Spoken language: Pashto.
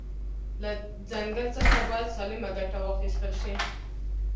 له ځنګل ځخه باید سالمه ګټه واخیستل شي